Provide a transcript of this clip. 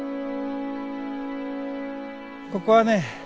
ここはね